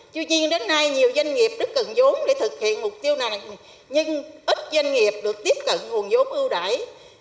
tuy nhiên đến nay nhiều doanh nghiệp rất cần giống để thực hiện mục tiêu này nhưng ít doanh nghiệp được tiếp cận nguồn giống ưu đại